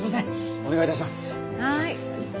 お願いいたします。